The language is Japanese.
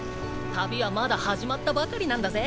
旅はまだ始まったばかりなんだぜ。